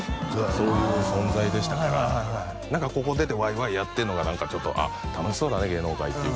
そういう存在でしたから何かここ出てわいわいやってるのがちょっと「楽しそうだね芸能界」っていうかね